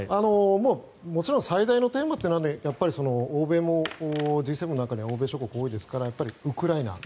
もちろん最大のテーマは欧米もＧ７の中には欧米諸国が多いですからウクライナ。